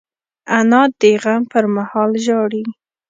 انا د غم پر مهال ژاړي